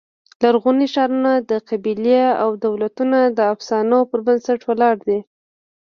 لرغوني ښارونه، قبیلې او دولتونه د افسانو پر بنسټ ولاړ دي.